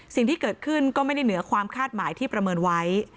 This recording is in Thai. สิ่งที่เกิดขึ้นก็ไม่ได้เหนือความคาดหมายที่ประเมินไว้